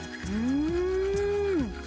うん！